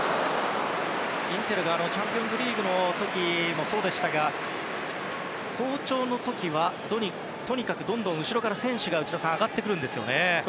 インテルはチャンピオンズリーグもそうでしたが好調の時はとにかくどんどん後ろから選手が上がってくるんですよね。